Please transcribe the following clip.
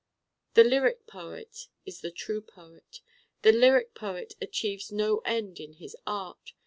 The lyric poet is the true poet. The lyric poet achieves no end in his art.